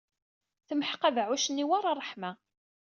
Temḥeq abeɛɛuc-nni war ṛṛeḥma.